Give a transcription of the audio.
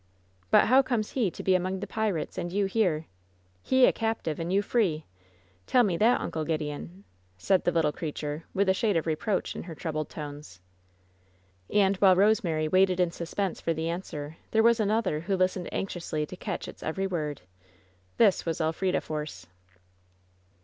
But how comes he to be among the pirates and you here? He a captive, and you free? Tell me that, Uncle Gideon,'* said the little creature, with a shade of reproach in her troubled tones. And while Kosemary waited in suspense for the an swer there was another who listened anxiously to catch its every word. This was Elf rida Force.